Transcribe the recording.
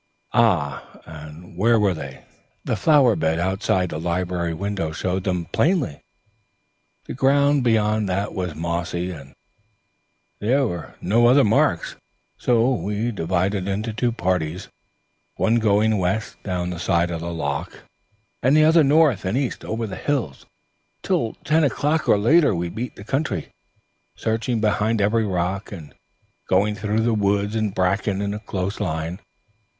"Ah, where were they?" "The flower bed outside the library window showed them plainly; the ground beyond that was mossy, and there were no other marks. We divided into two parties, one going west down the side of the loch, and the other north and east over the hills. Till ten o'clock or later we beat the country, searching behind every rock, and going through the woods and bracken in a close line.